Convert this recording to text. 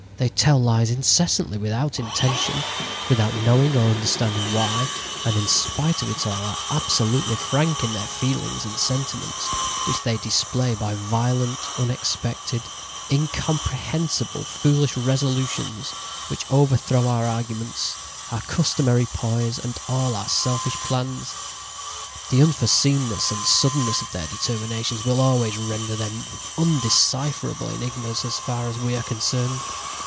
They tell lies incessantly without intention, without knowing or understanding why, and in spite of it all are absolutely frank in their feelings and sentiments, which they display by violent, unexpected, incomprehensible, foolish resolutions which overthrow our arguments, our customary poise and all our selfish plans. The unforeseenness and suddenness of their determinations will always render them undecipherable enigmas as far as we are concerned.